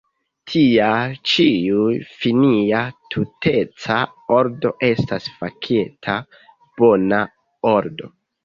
Tial ĉiu finia tuteca ordo estas fakte bona ordo.